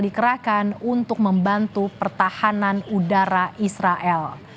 dikerahkan untuk membantu pertahanan udara israel